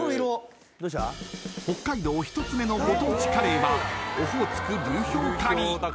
［北海道１つ目のご当地カレーはオホーツク流氷カリー］